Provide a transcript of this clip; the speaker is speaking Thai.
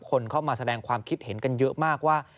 คนเข้ามาแสดงความคิดเห็นกันเยอะมากว่า